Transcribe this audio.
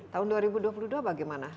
tahun dua ribu dua puluh dua bagaimana